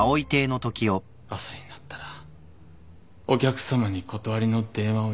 朝になったらお客さまに断りの電話を入れる。